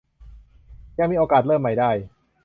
ยังมีโอกาสเริ่มใหม่ได้